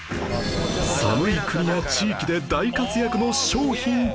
寒い国や地域で大活躍の商品とは？